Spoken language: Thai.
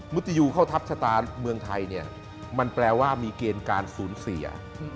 มุติยูเข้าทัพชะตาเมืองไทยเนี่ยมันแปลว่ามีเกณฑ์การสูญเสีย